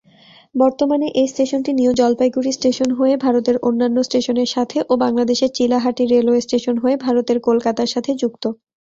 বর্তমানে এই স্টেশনটি নিউ-জলপাইগুড়ি স্টেশন হয়ে ভারতের অন্যান্য স্টেশনের সাথে ও বাংলাদেশের চিলাহাটি রেলওয়ে স্টেশন হয়ে ভারতের কলকাতার সাথে যুক্ত।